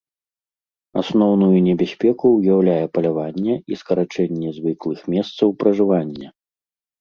Асноўную небяспеку ўяўляе паляванне і скарачэнне звыклых месцаў пражывання.